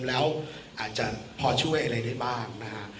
แล้วอาจจะพอช่วยอะไรได้บ้างนะฮะ